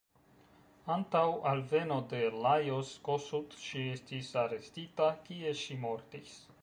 Antaŭ alveno de Lajos Kossuth ŝi estis arestita, kie ŝi mortis.